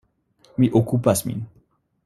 Mi okupas min.